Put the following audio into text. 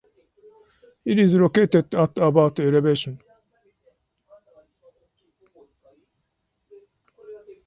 It is located at about elevation.